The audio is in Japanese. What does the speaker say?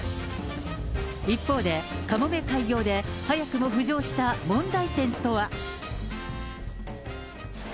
一方で、かもめ開業で、早くも浮上した問題点とは。